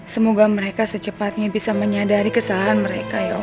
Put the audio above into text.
semoga mereka secepatnya bisa menyadari kesalahan mereka ya